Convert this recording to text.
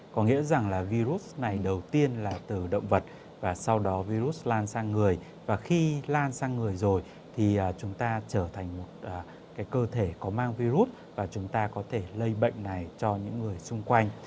có nghĩa rằng là virus này đầu tiên là từ động vật và sau đó virus lan sang người và khi lan sang người rồi thì chúng ta trở thành một cơ thể có mang virus và chúng ta có thể lây bệnh này cho những người xung quanh